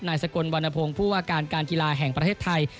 สกลวรรณพงศ์ผู้ว่าการการกีฬาแห่งประเทศไทย